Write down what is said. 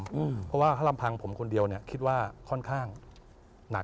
เพราะว่าถ้าลำพังผมคนเดียวเนี่ยคิดว่าค่อนข้างหนัก